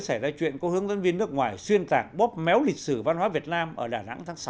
xảy ra chuyện có hướng dẫn viên nước ngoài xuyên tạc bóp méo lịch sử văn hóa việt nam ở đà nẵng tháng sáu